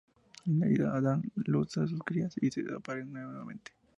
En la isla dan a luz a sus crías y se aparean nuevamente.